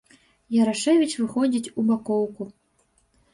Ярашэвіч выходзіць у бакоўку.